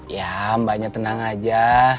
ya mbaknya tenang aja